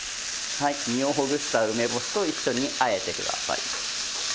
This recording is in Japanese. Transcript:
身をほぐした梅干しと一緒にあえてください。